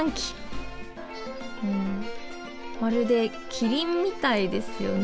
まるでキリンみたいですよね！